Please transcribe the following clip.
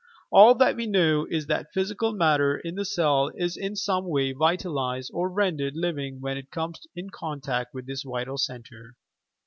All that we know is, that physical matter in the cell is in some way vitalized or rendered living when it comes in contact with this vital centre.